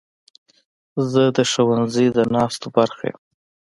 زه د ښوونځي د ناستو برخه یم.